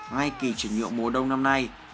ngay kỳ chuyển nhuộm mùa đông năm nay